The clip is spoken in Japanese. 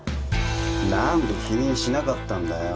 何で避妊しなかったんだよ？